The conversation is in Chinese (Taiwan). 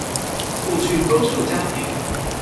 過去多數家庭